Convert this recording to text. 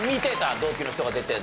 同期の人が出てるの。